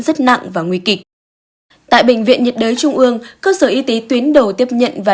rất nặng và nguy kịch tại bệnh viện nhiệt đới trung ương cơ sở y tế tuyến đầu tiếp nhận và